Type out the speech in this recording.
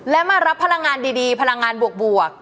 และมารับพลังงานดีพลังงานบวก